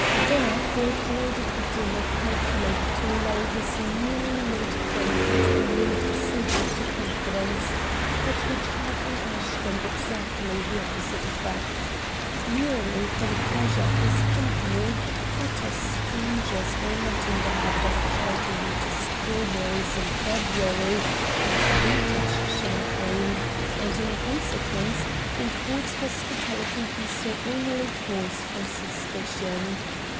There Ford ordered a dinner calculated to lull his newly made friend into a mood suited to confidence, but which had on Ashton exactly the opposite effect. Merely for the pleasure of his company, utter strangers were not in the habit of treating him to strawberries in February, and vintage champagne; and, in consequence, in Ford's hospitality he saw only cause for suspicion.